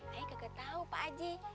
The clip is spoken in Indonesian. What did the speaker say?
saya gak tau pak haji